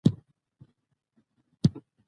د کثافاتو په سمه توګه مدیریت ښارونه پاک ساتي.